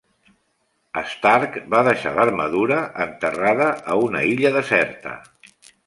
Stark va deixar l'armadura enterrada a una illa deserta.